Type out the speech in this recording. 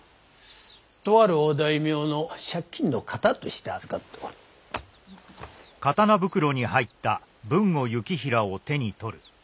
とある御大名の借金の形として預かっておる。